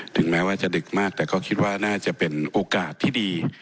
แม้ว่าจะดึกมากแต่ก็คิดว่าน่าจะเป็นโอกาสที่ดี